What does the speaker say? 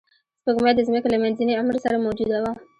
سپوږمۍ د ځمکې له منځني عمر سره موجوده وه